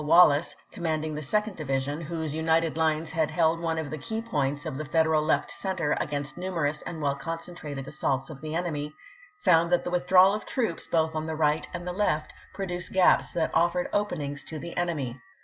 Wallace, commanding the Second Division, whose united lines had held one of the key points of the Federal left center against numerous and well concentrated assaults of the enemy, found that the withdrawal of troops both on the right and the left produced gaps that offered openings to the enemy.